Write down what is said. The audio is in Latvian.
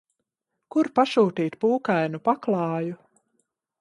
Kur pasūtīt pūkainu paklāju?